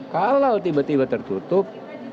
kalau tiba tiba tertutup